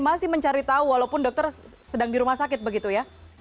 masih mencari tahu walaupun dokter sedang di rumah sakit begitu ya